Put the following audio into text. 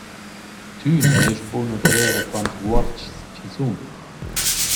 Tü nun est buna da verer, quants vuorchs chi sun.